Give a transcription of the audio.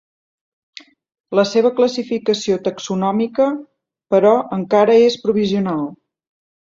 La seva classificació taxonòmica, però encara és provisional.